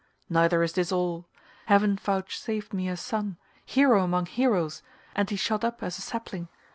Neither is this all. Heaven vouchsafed me a son, hero among heroes, and he shot up as a sapling.